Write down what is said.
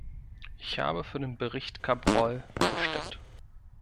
Ich habe für den Bericht Cabrol gestimmt.